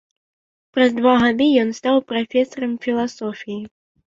Праз два гады ён стаў прафесарам філасофіі.